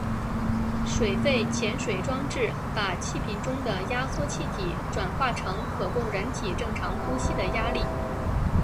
水肺潜水装置把气瓶中的压缩气体转化成可供人体正常呼吸的压力。